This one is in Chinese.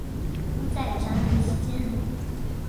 在展览期间。